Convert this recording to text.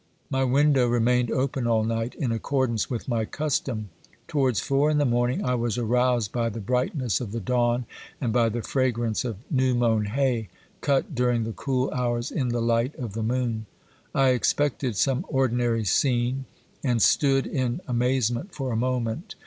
My window remained open all night, in accordance with my custom. Towards four in the morning I was aroused OBERMANN 19 by the brightness of the dawn, and by the fragrance of new mown hay, cut during the cool hours in the Hght of the moon. I expected some ordinary scene, and stood in amazement for a moment.